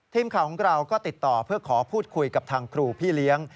ทีมข่าวของเราก็ติดต่อเพื่อขอพูดคุยกับทางครูพี่เลี้ยง